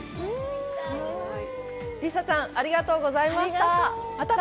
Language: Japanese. リサちゃん、ありがとうございました。